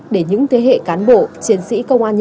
để những thế hệ cán bộ chiến sĩ công an nhân dân học tập nói theo